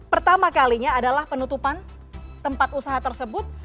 pertama kalinya adalah penutupan tempat usaha tersebut